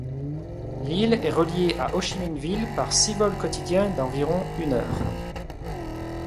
L'île est reliée à Hô-Chi-Minh-Ville par six vols quotidiens d'environ une heure.